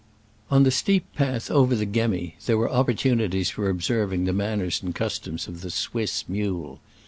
On the steep path over the Gemmi there were opportunities for observing the manners and customs of the Swiss mule.